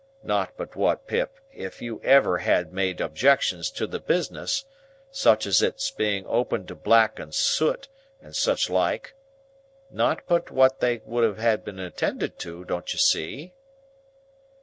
Not but what, Pip, if you had ever made objections to the business,—such as its being open to black and sut, or such like,—not but what they would have been attended to, don't you see?"